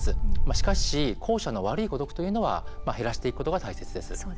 しかし、後者の悪い孤独は減らしていくことが大事です。